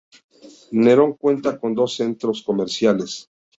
Narón cuenta con dos centros comerciales.